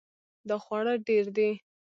دا خواړه ډیر دي